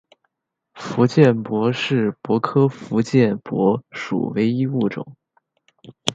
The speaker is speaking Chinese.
福建柏是柏科福建柏属唯一物种。